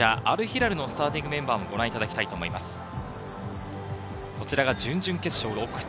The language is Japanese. アルヒラルのスターティングメンバーです。